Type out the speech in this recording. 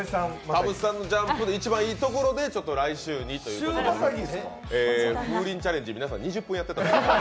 田渕さんのジャンプで一番いいところで来週にということで、風鈴チャレンジ、皆さん２０分やってたんです。